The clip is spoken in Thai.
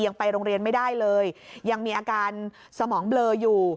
ยังไปโรงเรียนไม่ได้เลยยังมีอาการสมองเบลออยู่